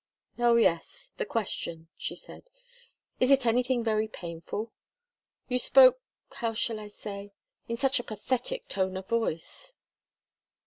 "Oh, yes the question," she said. "Is it anything very painful? You spoke how shall I say? in such a pathetic tone of voice."